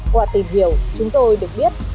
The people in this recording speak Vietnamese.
qua tìm hiểu chúng tôi được biết